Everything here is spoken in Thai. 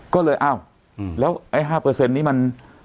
ก็เลยอ้าวแล้วไอ้๕เปอร์เซ็นต์นี้มัน